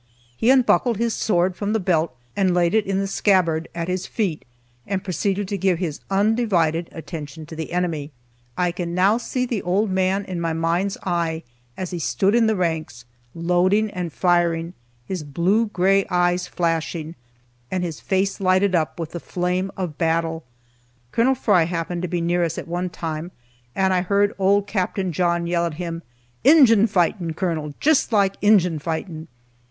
He unbuckled his sword from the belt, and laid it in the scabbard at his feet, and proceeded to give his undivided attention to the enemy. I can now see the old man in my mind's eye, as he stood in ranks, loading and firing, his blue gray eyes flashing, and his face lighted up with the flame of battle. Col. Fry happened to be near us at one time, and I heard old Capt. John yell at him: "Injun fightin,' Colonel! Jest like Injun fightin'!"